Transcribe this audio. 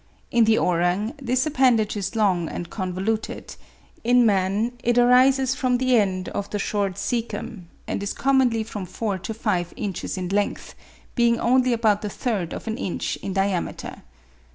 In the orang this appendage is long and convoluted: in man it arises from the end of the short caecum, and is commonly from four to five inches in length, being only about the third of an inch in diameter.